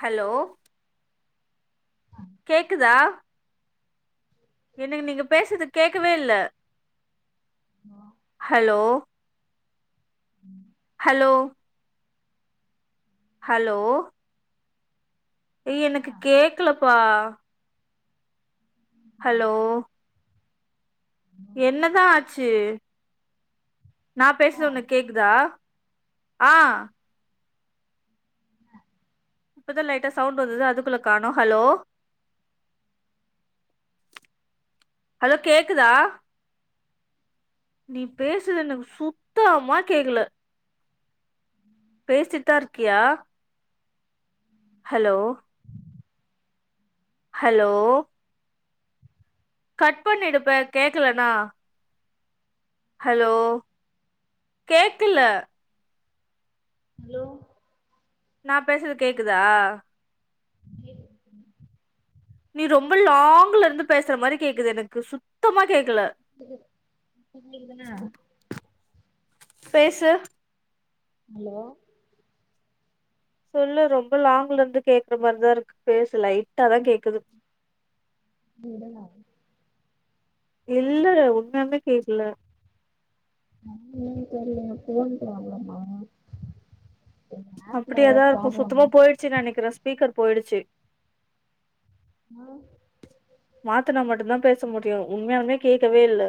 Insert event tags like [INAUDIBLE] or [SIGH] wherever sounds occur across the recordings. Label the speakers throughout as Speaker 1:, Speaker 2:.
Speaker 1: Hello
Speaker 2: ஆ
Speaker 1: கேக்குதா எனக்கு நீங்க பேசுறது கேக்கவே இல்ல
Speaker 2: [INAUDIBLE]
Speaker 1: ஹலோ ஹலோ ஹலோ ஏ எனக்கு கேக்லப்பா ஹலோ என்னதா ஆச்சு நா பேசுறது ஒனக்கு கேக்குதா ஆ இப்பதா லைட்டா சவுண்ட்டு வந்தது அதுக்குள்ள காணோ ஹலோ ஹலோ கேக்குதா நீ பேசுறது எனக்கு சுத்தமா கேக்குல பேசிட்தாருக்கியா ஹலோ ஹலோ கட் பண்ணிடுப்பே கேக்லனா ஹலோ கேக்கல
Speaker 2: ஹலோ
Speaker 1: நா பேசுறது கேக்குதா நீ ரொம்ப லாங்லருந்து பேசுற மாரி கேக்குது எனக்கு சுத்தமா கேக்குல
Speaker 2: இது இப்ப கேக்குதானா
Speaker 1: பேசு
Speaker 2: ஹலோ
Speaker 1: சொல்லு ரொம்ப லாங்லருந்து கேக்குற மார்தாருக்கு பேசு லைட்டா தா கேக்குது
Speaker 2: விடுலா
Speaker 1: இல்லள உண்மயாலுமே கேக்கல
Speaker 2: [INAUDIBLE] தெர்ல எ ஃபோன் ப்ராப்ளமா இல்ல ஆப்ல
Speaker 1: அப்டியாதாருக்கு
Speaker 2: ப்ராப்ளமா
Speaker 1: சுத்தமா போய்ருச்சுனு நெனைக்கிறே ஸ்பீக்கர் போய்டுச்சு
Speaker 2: மா
Speaker 1: மாத்துனா மட்டுந்தா பேச முடியு உண்மயாலுமே கேக்கவே இல்ல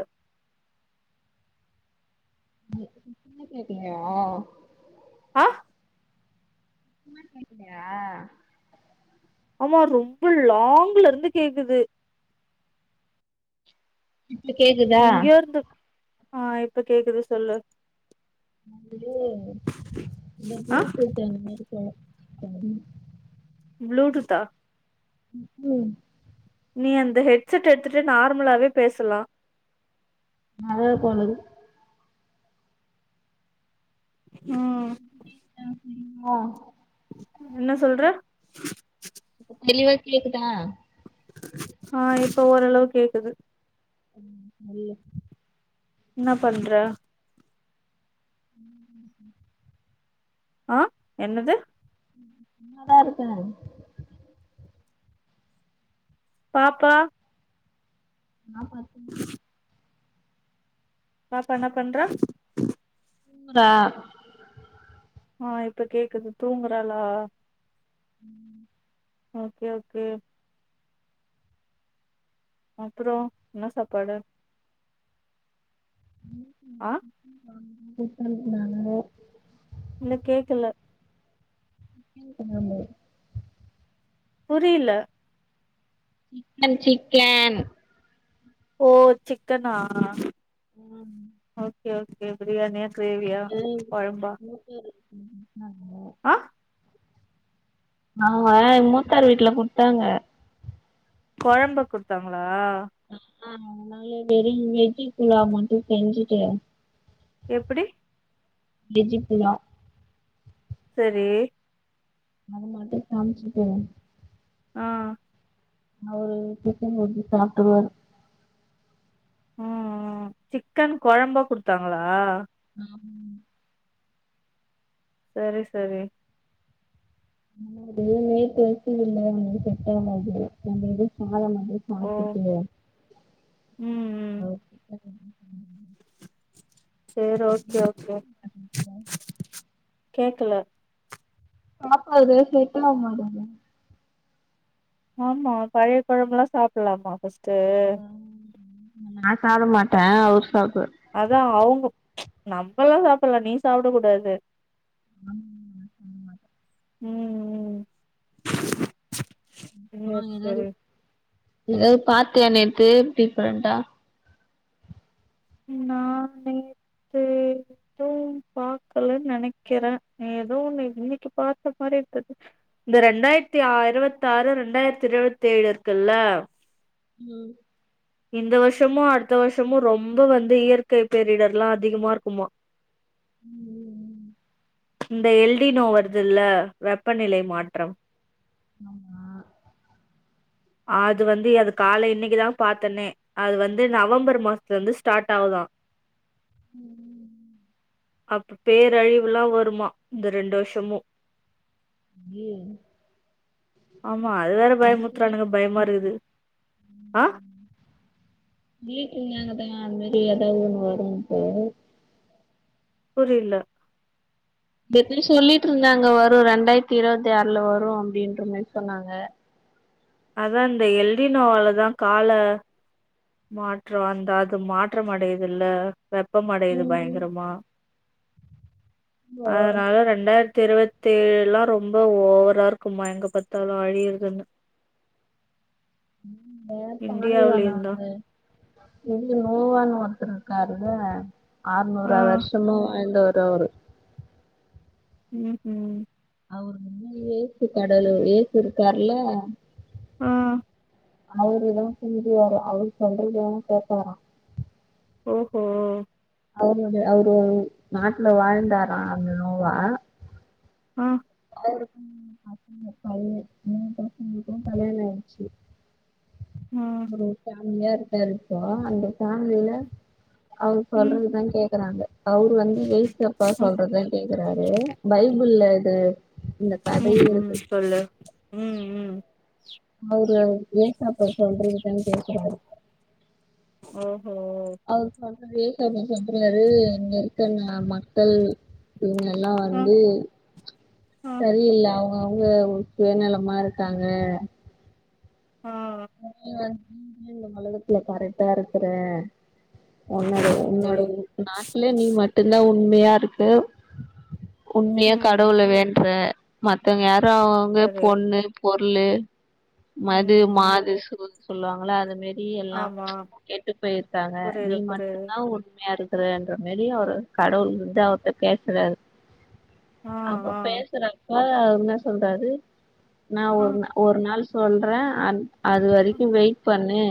Speaker 2: ஒண்ணுமே கேக்லையா ‌
Speaker 1: ஆ
Speaker 2: ஒண்ணுமே கேக்லயா
Speaker 1: ஆமா ரொம்ப லாங்லருந்து கேக்குது
Speaker 2: இப்ப கேக்குது
Speaker 1: எங்கயோருந்து ஆ இப்ப கேக்குது சொல்லு
Speaker 2: வந்து இந்த ப்ளூ
Speaker 1: ஆ
Speaker 2: டூத் அந்த மாரி கேக்கலா
Speaker 1: ப்ளூ டுத்தா
Speaker 2: ம் ம்
Speaker 1: நீ அந்த ஹெட்செட் எடுத்துட்டு நார்மலாவே பேசலா
Speaker 2: நல்லாருக்குல அது
Speaker 1: ஆ
Speaker 2: அ
Speaker 1: என்ன சொல்ற
Speaker 2: தெளிவா கேக்குதா
Speaker 1: ஆ இப்ப ஓரளவு கேக்குது
Speaker 2: ம் நல்ல
Speaker 1: என்னா பண்ற
Speaker 2: [INAUDIBLE]
Speaker 1: ஆ என்னது
Speaker 2: சும்மாதா இருக்க
Speaker 1: பாப்பா
Speaker 2: நா பாத்தே
Speaker 1: பாப்பா என்ன பண்றா
Speaker 2: தூங்குறா
Speaker 1: ஆ இப்ப கேக்குது தூங்குறாளா
Speaker 2: ம்
Speaker 1: ஓகே ஓகே அப்ரோ என்ன சாப்பாடு
Speaker 2: மேகி
Speaker 1: ஆ
Speaker 2: கூப்ட்ரன் சொன்னாங்க
Speaker 1: இல்ல கேக்கல
Speaker 2: ஃபீல் பன்னாங்க
Speaker 1: புரில
Speaker 2: சிக்கன் சிக்கன்
Speaker 1: ஓ சிக்கனா
Speaker 2: ஆம்
Speaker 1: ஓகே ஓகே பிரியாணிய
Speaker 2: [UNINTELLIGIBLE]
Speaker 1: ஆ
Speaker 2: ஆங்க மூத்தார் வீட்டுல குடுத்தாங்க
Speaker 1: கொழம்பு குடுத்தாங்களா
Speaker 2: ஆ அ நாங்க தெரி வெஜ்சிபுலாவ் மட்டு செஞ்சுட்டு
Speaker 1: எப்டி
Speaker 2: வெஜ்ஜிப்புலாவ்
Speaker 1: செரி
Speaker 2: அது மட்டு காம்ச்சுட்டு
Speaker 1: ஆ
Speaker 2: அவரு புட்டு மட்டு சாப்ட்ருவாறு
Speaker 1: ம்ம் சிக்கன் கொழம்பா குடுத்தாங்களா
Speaker 2: ஆமா
Speaker 1: செரி செரி
Speaker 2: [UNINTELLIGIBLE]
Speaker 1: ஓ
Speaker 2: பாத்துட்டு
Speaker 1: ம் ம்
Speaker 2: அ
Speaker 1: சேரி ஓகே ஓகே கேக்கல
Speaker 2: சாப்பாடு செட்டாவமாட்டேது
Speaker 1: ஆமா பழைய கொழம்புலா சாப்டலாமா ஃபர்ஸ்ட்டு
Speaker 2: நா சாப்ட மாட்ட அவரு சாப்டுவாரு
Speaker 1: அதான் அவங்க நம்மல்லா சாப்ட்லா நீ சாப்ட கூடாது ம் ம்
Speaker 2: ஆ
Speaker 1: சரி
Speaker 2: எதாது
Speaker 1: சரி.
Speaker 2: எதாவது பாத்தியா நேத்து டிஃப்ரண்டா
Speaker 1: நா நேத்து து நெனைக்கிற ஏதோ ஒன்னு இன்னைக்கு பாத்த மாரி இருந்தது இந்த ரெண்டாயிரத்தி அறுவத்ஆறு ரெண்டாயிரத்தி இருபத்தேழு இருக்குல்ல
Speaker 2: ம்
Speaker 1: இந்த வருஷமு அடுத்த வருஷமு ரொம் ம்ப வந்து இயற்கை பேரிடர்லா அதிகமா இருக்குமா
Speaker 2: ம்
Speaker 1: இந்த எல்டினோ வர்துல்ல வெப்பநிலை மாற்றம்
Speaker 2: ஆமா
Speaker 1: அது வந்து அது கால இன்னைக்குதா பாத்தனே அது வந்து நவம்பர் மாசத்துலருந்து ஸ்டார்ட் ஆவுதா
Speaker 2: ம்
Speaker 1: அப்ப பேரழிவுல்லா வருமா இந்த ரெண்டு வருஷமு
Speaker 2: கே ம்
Speaker 1: ஆமா அது வேற
Speaker 2: சொல்லிட்டு
Speaker 1: பயமுத்துறானுங்க பயமா
Speaker 2: இருந்தாங்க
Speaker 1: இருக்குது ஆ
Speaker 2: ப்லீட்டூர் நாங்கதாங் அது மாரி எதாவது ஒன்னு வருன்ட்டு
Speaker 1: புரில்ல
Speaker 2: டெப்டி சொல்லிட் இருந்தாங்க வரு ரெண்டாயிரத்தி இருபத்தி ஆறுல வரு அப்டின்ற மாரி சொன்னாங்க
Speaker 1: அதா இந்த எல்டி நோவாலதா கால மாற்ற அந்த அது மாற்ற அடையுதுல்ல வெப்பம் அடையுது
Speaker 2: ம்
Speaker 1: பயங்கரமா
Speaker 2: ஓ
Speaker 1: அதனால ரண்டாயிரத்தி இருவத் தேவல்லாம் ரொம்ப ஓவரா இருக்குமா எங்க பாத்தாலு அழியற துன்னு
Speaker 2: ம் வேற பாலைவன
Speaker 1: இந்தியாவிலயும்
Speaker 2: அங்க
Speaker 1: தான்.
Speaker 2: இது நோவான் ஒருத்தர் இருக்காருத
Speaker 1: ஆ.
Speaker 2: அறுநூறு வருஷமா வாழ்ந்தவர் அவரு
Speaker 1: ம்ஹூம்
Speaker 2: அவர் மூணு ஏசு கடவுளு ஏசு இருக்கார்ல
Speaker 1: ஆ
Speaker 2: அவருதா தூதுவாரா அவர் சொல்றதா கேப்பாரா
Speaker 1: ஓ ஹோ
Speaker 2: அவரோட அவரு நாட்டுல வாழ்ந்தாரா அந்த நோவா
Speaker 1: ம்
Speaker 2: அவருக்கு மூணு பசங்க பைய மூணு பசங்களுக்கு கல்யாண ஆய்ச்சு
Speaker 1: ஆ.
Speaker 2: அவ ஒரு ஃபேமிலியா இருக்காருப்போ அந்த ஃபேமிலில அவர்
Speaker 1: ம்.
Speaker 2: சொல்றதுதா கேக்குறாங்க அவர் வந்து ஏசு அப்பா
Speaker 1: ஓ!
Speaker 2: சொல்றதுதா கேக்குறாரு பைபிள்ல இது இந்த கதையே
Speaker 1: ம் ம்
Speaker 2: இருக்கு
Speaker 1: சொல்லு ம் ம்
Speaker 2: அவரு ஏசு அப்பா சொல்றதுதா கேக்குறாரு
Speaker 1: ஓஹோ
Speaker 2: அவரு சொல்ற ஏசு அப்டி சொல்றாரு இங்க இருக்க ந மக்கள் இங்க எல்லா
Speaker 1: அ
Speaker 2: வந்து
Speaker 1: அ
Speaker 2: வெளியில அவுங்கவுங்க ஒரு சுயநலமா ருக்காங்க
Speaker 1: ஆ
Speaker 2: நீ வந்து இந்த உலகத்துல கரெக்டா இருக்குற ஒன்னோட
Speaker 1: சரி
Speaker 2: ஒன்னோட
Speaker 1: சரி
Speaker 2: ரு நாட்டுல நீ மட்டுதா உண்மையா இருக்கு உண்மையா
Speaker 1: ம்
Speaker 2: கடவுள வேண்ற மத்தவங்க யாரு அவுங்கவுங்க
Speaker 1: சரி
Speaker 2: பொண்ணு பொருளு மது
Speaker 1: ம் ம்
Speaker 2: மாது சூது சொல்லுவாங்கள அது மேரி இ எல்லா
Speaker 1: ஆமா
Speaker 2: கெட்டுப் போயிருக்காங்க நீ
Speaker 1: புரியுது புரியுது
Speaker 2: மட்டுதா உண்மையா இருக் க்கிறன்ற மேரிய ஒரு கடவுள் வந்து அவர்ட பேசுறாரு
Speaker 1: ஆ
Speaker 2: அப்ப
Speaker 1: ஆ
Speaker 2: பேசுறப்பா என்னா சொல்றாரு நா ஒரு நா ஒரு நாள் சொல்றே அ அது
Speaker 1: ஆ
Speaker 2: வரைக்கு வெயிட் பண்ணு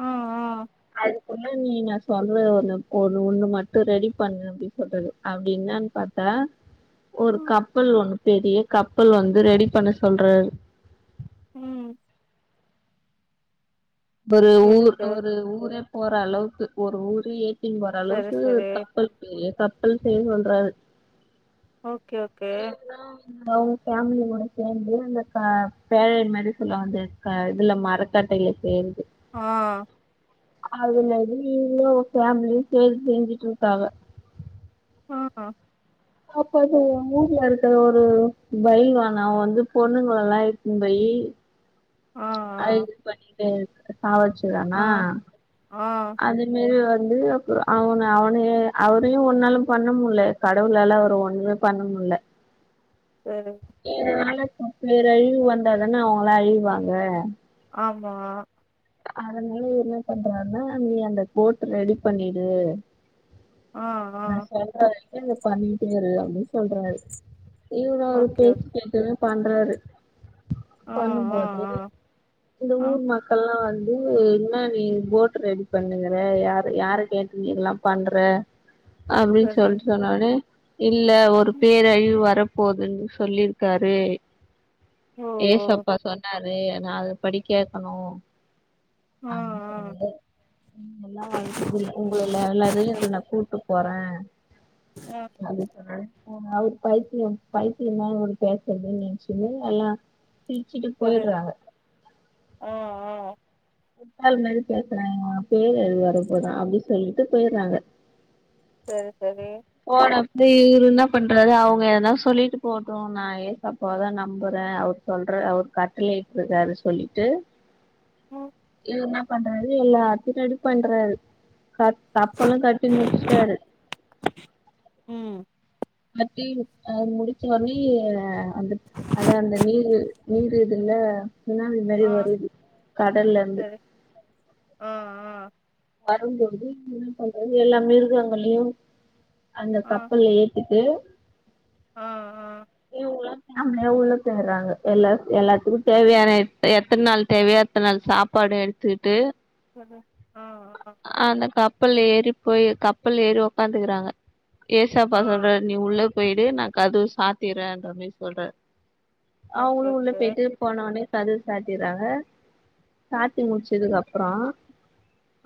Speaker 1: ம் ம்
Speaker 2: அதுக்குள்ள நீ நா சொல்ற ஒன்னு ஒ ஒண்ணு மட்டு ரெடி பண்ணு அப்டின் சொல்றது அப்டி என்னான்னு பாத்தா ஒரு
Speaker 1: ம்
Speaker 2: கப்பல் ஒண்ணு பெரிய கப்பல் வந்து ரெடி பண்ண சொல்றாரு
Speaker 1: ம்
Speaker 2: ஒரு ஊர்
Speaker 1: எதுக்கு
Speaker 2: ஒரு ஊரே போற அளவுக்கு ஒரு ஊர் ஏத்தினு போற
Speaker 1: சரி
Speaker 2: அளவுக்கு
Speaker 1: சரி
Speaker 2: கப்பல் பெரிய கப்பல் செய்ய சொல்றாரு
Speaker 1: ஓகே ஓகே
Speaker 2: அவுங்க ஃபேமிலியோட சேந்து அந்த க பேழை மாரி சொல்லுவாங்க அந்த க இதுல மற கட்டேல சேரு
Speaker 1: ஆ
Speaker 2: அதுல இருந்து இன்னோர் ஃபேமிலி சேந்து செஞ்சுட்டு இருக்காங்க
Speaker 1: ஆ ஹ
Speaker 2: அப்ப அது மூவில ஒருத்தே ஒரு பயில்வான் அவ வந்து பொண்ணுங்கல்லா இழுத்துனு போய்
Speaker 1: ஆ
Speaker 2: அது பண்ணிட்டு சாவடுச்சுருறானா
Speaker 1: ஆ ஆ
Speaker 2: அது மாரி வந்து அப்பறோ அவன அவனயே அவரையு ஒன்னாலு பண்ண முல கடவுளால அவர ஒண்ணுமே பண்ண முடில
Speaker 1: சேரி
Speaker 2: எதனாலு பேரழிவு வந்தாதான அவுங்களா அழிவாங்க
Speaker 1: ஆமா
Speaker 2: அதனால என்ன பண்றாருன்னா நீ அந்த போட் ரெடி பண்ணிடு
Speaker 1: ஆ ஆ
Speaker 2: நா சொல்ற வரைக்கு நீ பண்ணிட்டே இரு அப்டின்னு சொல்றாரு இவரு அவரு
Speaker 1: ஓகே
Speaker 2: பேச்ச
Speaker 1: ஓகே
Speaker 2: கேட்டுமே பண்றாரு
Speaker 1: ஆ ஆ
Speaker 2: பண்ணும்போது
Speaker 1: ஆ
Speaker 2: இந்த
Speaker 1: ஆ
Speaker 2: ஊர் மக்கள்லா வந் து என்ன நீ போட்டு ரெடி பண்ணுங்குற யாரு யார கேட்டு நீ இதெல்லா பண்ற அப்டினு
Speaker 1: சரி
Speaker 2: சொல்ட்டு சொன்னோனே இல்ல ஒரு பேரழிவு வர போதுனு சொல்லிருக்காரு
Speaker 1: ஓ ஓ
Speaker 2: ஏசப்பா சொன்னா ரே நா அது படி கேக்கணு
Speaker 1: ஆ
Speaker 2: அப்டினு
Speaker 1: ஆ
Speaker 2: சொல்லி எல்லா உங்கள எல்லாரையு இதுல நா கூட்டு போறே
Speaker 1: ஆ
Speaker 2: அப்டி சொன்னோனே அவரு பைத்தியோ பைத்திய தா இப்டி பேசுறதுனு நெனைச்சுனு எல்லா சிரிச்சிட்டு
Speaker 1: புரியுது
Speaker 2: போயிடுறாங்க
Speaker 1: ஆ ஆ
Speaker 2: வேற மாரி பேசுறாங்கமா பேய் எது வர போதான் அப்டின்னு சொல்லிட்டு போய்டுறாங்க
Speaker 1: சேரி சேரி
Speaker 2: போனப்ப இவரு என்ன பண்றாரு அவங்க எதனா சொல்லிட்டு போட்டும் நான் ஏசாப்பாதான் நம்புறேன் அவுர் சொல்றார் அவர் கட்டலயிட்டுருக்காரு சொல்லிட்டு
Speaker 1: ம்
Speaker 2: இவரு என்ன பண்றாரு எல்லாதையு ரெடி பண்றாரு க கப்பலு கட்டி முடிச்சிட்டாரு
Speaker 1: ம்
Speaker 2: கட்டி அத முடிச்ச உடனே அ வந்து அதான் அந்த நீரு நீர் இதுல சுனாமி மாரி
Speaker 1: ஆ
Speaker 2: வருது கடல்ல இருந்து
Speaker 1: சரி ஆ ஆ
Speaker 2: வரும் போது உள்ள இருந்து வெளிய எல்லா மிருகங்களையும் அந்த
Speaker 1: ஆ ஆ
Speaker 2: கப்பல்ல ஏத் த்திட்டு
Speaker 1: ஆ ஆ
Speaker 2: இவங்களா அங்கையே உள்ள தேடுறாங்க எல்லா எல்லாத்துக்கும் தேவையான எத்தன் நாள் தேவையோ எத்தன் நாள் சாப்பாடு எடு த்துட்டு
Speaker 1: பளர்ரு ஆ ஆ
Speaker 2: அந்த கப்பல்ல ஏறி போய் கப்பல்ல ஏறி உக்காந்துக்கிறாங்க ஏசாப்பா
Speaker 1: ஆ
Speaker 2: சொல்றாரு நீ உள்ள போய்டு நான் கதவ சாத்திரேன்ற மேரி சொல்றாரு
Speaker 1: ஓகே
Speaker 2: அவுங்களும் உள்ள
Speaker 1: ஓகே
Speaker 2: போய்ட்டு போன உடனே கதவ சாத்திறாங்க
Speaker 1: ம்
Speaker 2: சாத்தி முடிச்சதுக்கு அப் பறோ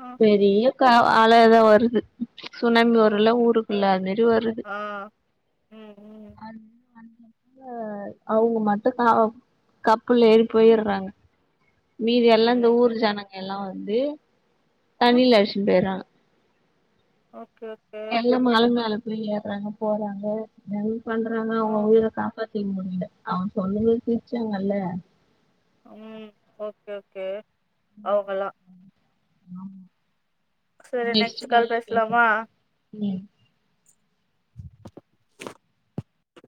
Speaker 1: ஆ
Speaker 2: க அலைலா வருது சுனாமி வருல்ல
Speaker 1: ஓகே ஓகே
Speaker 2: ஊருக்குல்ல அது மேரி வருது
Speaker 1: ஆ ம் ம்
Speaker 2: அந்த அவுங்க மட்டும் கானோ கப்பல்ல ஏறி
Speaker 1: ம்
Speaker 2: போய்றாங்க மீதி எல்லாம் இந்த
Speaker 1: ம்
Speaker 2: ஊர்
Speaker 1: ம்
Speaker 2: ஜனங்கள் எல்லாம் வந்து
Speaker 1: ம்
Speaker 2: தண்ணில அடிச்சிட்டு போய்றாங்க
Speaker 1: ஓகே ஓகே
Speaker 2: எல்லாம் மல மேல போய் ஏறாங்க போறாங்க என்னன பண்றாங்க
Speaker 1: ஆ
Speaker 2: அவங்க உயிர காப்பாத் செய் முடில அவன் சொல்லவே சிரிச்சாங்கல்ல
Speaker 1: ம் ஓகே ஓகே அவுங்களாம்
Speaker 2: ஆம்
Speaker 1: சரி
Speaker 2: நெஸ்ட்
Speaker 1: நெக்ஸ்ட் கால்
Speaker 2: கால்ல பேசரே
Speaker 1: பேசலாமா
Speaker 2: ம்